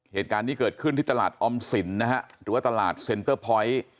เหตุการณ์นี้เกิดขึ้นที่ตลาดออมสินนะฮะหรือว่าตลาดเซ็นเตอร์พอยต์